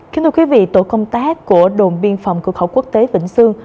kính thưa quý vị tổ công tác của đồn biên phòng cửa khẩu quốc tế vĩnh sương